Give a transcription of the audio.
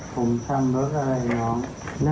ผมทำรถอะไรน้อง